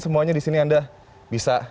semuanya di sini anda bisa